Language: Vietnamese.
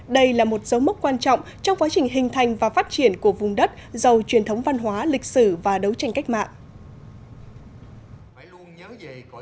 đây là một dấu mốc quan trọng trong quá trình hình thành và phát triển của vùng đất giàu truyền thống văn hóa lịch sử và đấu tranh cách mạng